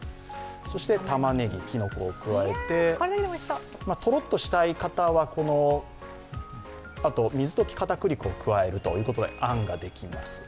そして、たまねぎ、きのこを加えて、とろっとしたい方はこのあと水とき片栗粉を加えるということであんができます。